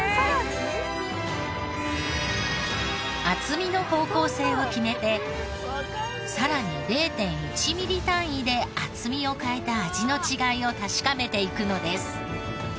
厚みの方向性を決めてさらに０．１ミリ単位で厚みを変えた味の違いを確かめていくのです。